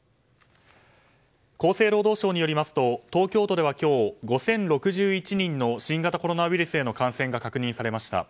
厚生労働省によりますと東京都では今日５０６１人の新型コロナウイルスへの感染が確認されました。